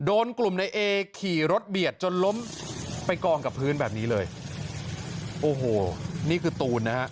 โดนกลุ่มในเอขี่รถเบียดจนล้มไปกองกับพื้นแบบนี้เลยโอ้โหนี่คือตูนนะฮะ